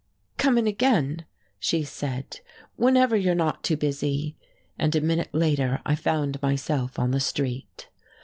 "Come in again," she said, "whenever you're not too busy." And a minute later I found myself on the street.